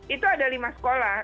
itu ada lima sekolah